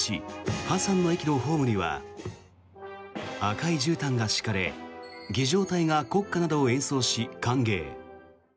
ハサンの駅のホームには赤いじゅうたんが敷かれ儀仗隊が国歌などを演奏し歓迎。